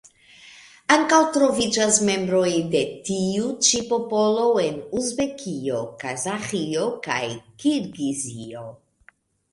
Ankaŭ troviĝas membroj de tiu ĉi popolo en Uzbekio, Kazaĥio kaj Kirgizio.